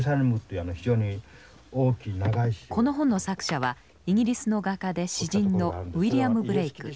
この本の作者はイギリスの画家で詩人のウィリアム・ブレイク。